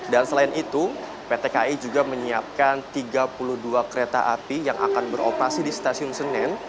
dan selain itu pt kai juga menyiapkan tiga puluh dua kereta api yang akan beroperasi di stasiun senen